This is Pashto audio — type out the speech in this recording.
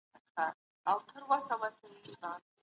ارواپوهنه له ټولنپوهنې سره په کُلي ډول یوشان نه ده.